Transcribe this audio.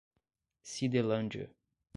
Cidelândia